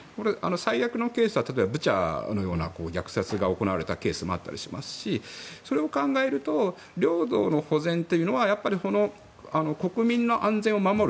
最悪のケースはブチャのような虐殺が行われたケースもあったりしますしそれを考えると領土の保全というのは国民の安全を守る。